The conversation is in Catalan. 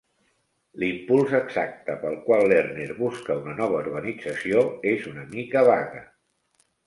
L'impuls exacte pel qual Lerner busca una nova organització és una mica vague.